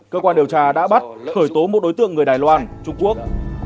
cơ quan điều tra đã bắt khởi tố một đối tượng người đài loan trung quốc